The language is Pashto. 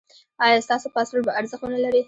ایا ستاسو پاسپورت به ارزښت و نه لري؟